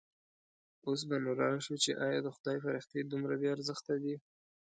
اوس به نو راشو چې ایا د خدای فرښتې دومره بې ارزښته دي.